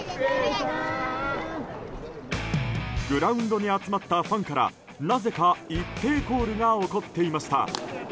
グラウンドに集まったファンからなぜか一平コールが起こっていました。